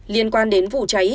liên quan đến vụ cháy